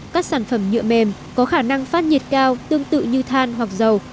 các sản phẩm nhựa mềm có khả năng phát nhiệt cao tương tự như than hoặc dầu